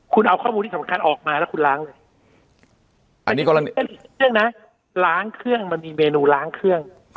คุณเอาข้อมูลที่สำคัญออกมาแล้วคุณล้างเลยล้างเครื่องมันมีเมนูล้างเครื่อง